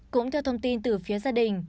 cũng theo thông tin từ phía gia đình